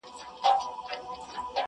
چي پاچا ته خبر راغی تر درباره؛